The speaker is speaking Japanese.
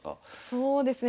そうですね